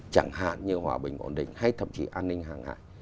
chẳng hạn như hòa bình ổn định hay thậm chí an ninh hàng hải